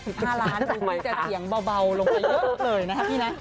ดูจริงอย่างเบาลงมาเยอะเลยนะครับพี่นะ